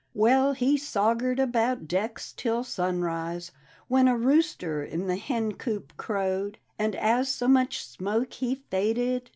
'" Well, he sogercd about decks till sunrise. When a rooster in the hen coop crowed, And as so much smoke he faded.